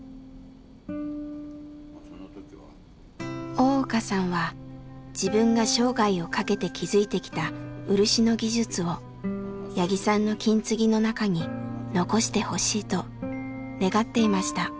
大岡さんは自分が生涯をかけて築いてきた漆の技術を八木さんの金継ぎの中に残してほしいと願っていました。